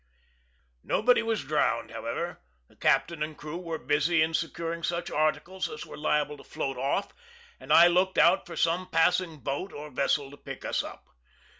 Nobody was drowned, however; the captain and crew were busy in securing such articles as were liable to float off, and I looked out for some passing boat or vessel to pick us up.